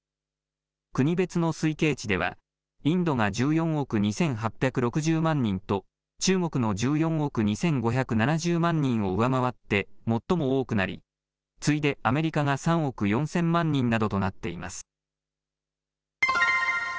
国別の推計値ではインドが１４億２８６０万人と中国の１４億２５７０万人を上回って最も多くなり次いでアメリカが３億４０００万人などとなっています。